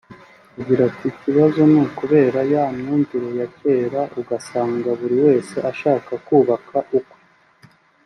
Agira ati “Ikibazo ni ukubera ya myumvire ya kera ugasanga buri wese ashaka kubaka ukwe